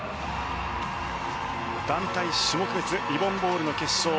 団体種目別リボン・ボールの決勝。